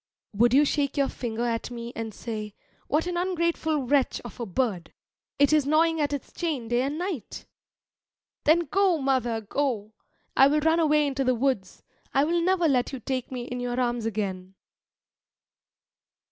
Would you shake your finger at me and say, "What an ungrateful wretch of a bird! It is gnawing at its chain day and night?" Then, go, mother, go! I will run away into the woods; I will never let you take me in your arms again.